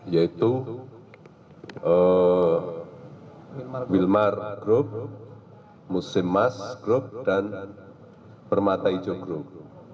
yaitu wilmar group musimas group dan permata ijo group